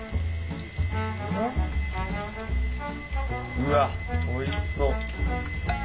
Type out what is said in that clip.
うわっおいしそう。